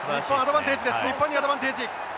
日本アドバンテージです。